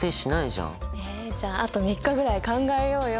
えじゃああと３日ぐらい考えようよ。